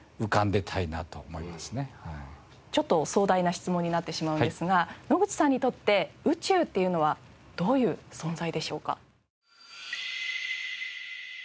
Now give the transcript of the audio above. ちょっと壮大な質問になってしまうんですが野口さんにとって宇宙っていうのはどういう存在でしょうか？